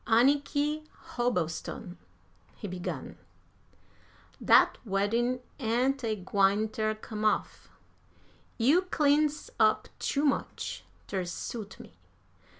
"Anniky Hobbleston," he began, "dat weddin' ain't a gwine ter come off. You cleans up too much ter suit me.